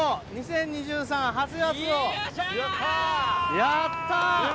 やった！